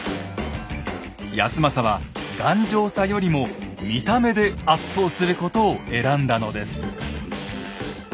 康政は頑丈さよりも見た目で圧倒することを選んだのです。